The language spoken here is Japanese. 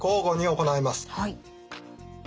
はい。